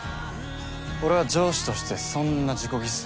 俺は上司としてそんな自己犠牲